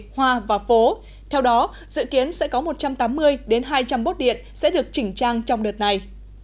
hoa và phố theo đó dự kiến sẽ có một trăm tám mươi đến hai trăm linh bốt điện sẽ được chỉnh trang trong đợt này